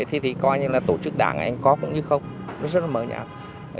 thì coi như là tổ chức đảng anh có cũng như không nó rất là mở nhạc